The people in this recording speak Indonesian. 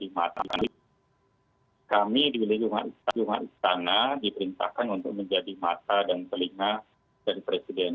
istana diperintahkan untuk menjadi mata dan telinga dari presiden